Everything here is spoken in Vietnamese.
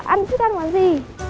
ăn thích ăn món gì